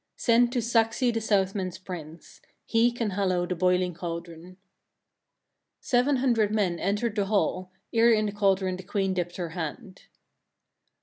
6. Send to Saxi the Southmen's prince; he can hallow the boiling cauldron." 7. Seven hundred men entered the hall, ere in the cauldron the queen dipt her hand.